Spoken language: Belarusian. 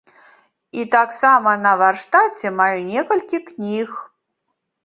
І таксама на варштаце маю некалькі кніг.